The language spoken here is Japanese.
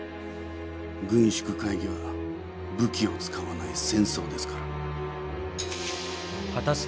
軍縮会議は武器を使わない戦争ですから。